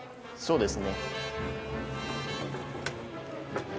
そうですね。